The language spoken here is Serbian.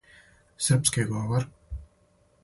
српски говор